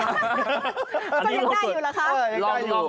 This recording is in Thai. ก็ยังได้อยู่ล่ะครับ